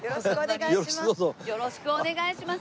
よろしくお願いします。